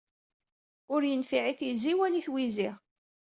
Ur yenfiɛ i tizi wala i twizi.